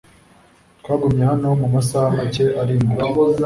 twagumye hano mumasaha make ari imbere